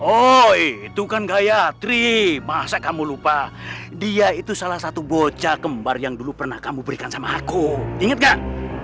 oh itu kan gayatri masa kamu lupa dia itu salah satu bocah kembar yang dulu pernah kamu berikan sama aku ingat kan